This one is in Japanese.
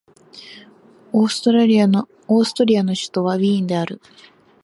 オーストリアの首都はウィーンである